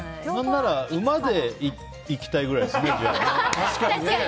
何なら馬で行きたいぐらいですね。